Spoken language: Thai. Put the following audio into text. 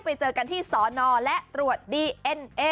ไปเจอกันที่สอนอและตรวจดีเอ็นเอ